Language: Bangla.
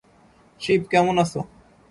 শিব, কেমন আছো?